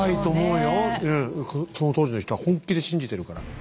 うんその当時の人は本気で信じてるから。